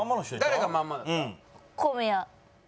誰がまんまだった？